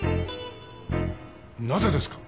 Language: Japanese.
なぜですか？